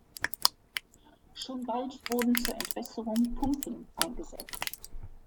Schon bald wurden zur Entwässerung Pumpen eingesetzt.